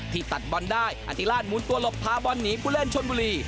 ตัดบอลได้อธิราชมุนตัวหลบพาบอลหนีผู้เล่นชนบุรี